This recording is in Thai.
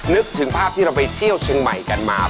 นึกถึงภาพที่เราไปเที่ยวเชียงใหม่กันมา